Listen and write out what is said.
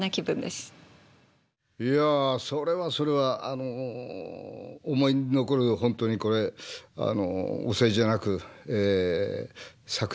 いやそれはそれはあの思い出に残る本当にこれお世辞じゃなく作品だったんで。